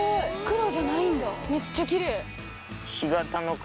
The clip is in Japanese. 黒じゃないんだめっちゃキレイ！